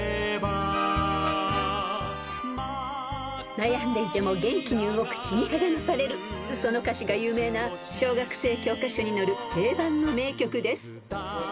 ［悩んでいても元気に動く血に励まされるその歌詞が有名な小学生教科書に載る定番の名曲です］